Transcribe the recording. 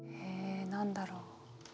え何だろう。